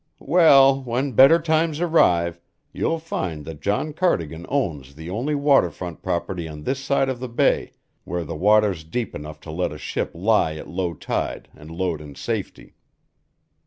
"Well, when better times arrive, you'll find that John Cardigan owns the only water front property on this side of the bay where the water's deep enough to let a ship lie at low tide and load in safety."